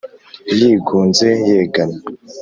Yigunze yegamye